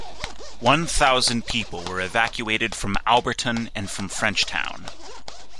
One thousand people were evacuated from Alberton and from Frenchtown.